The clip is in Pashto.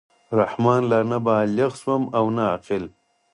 رحمان لا نه بالِغ شوم او نه عاقل.